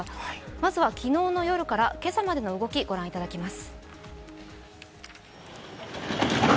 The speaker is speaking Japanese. まずは昨日の夜から今朝までの動きをご覧いただきます。